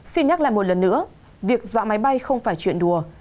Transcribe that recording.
xin nhắc lại một lần nữa việc dọa máy bay không phải chuyện đùa